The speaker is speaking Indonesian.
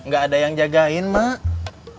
gak ada yang jagain mak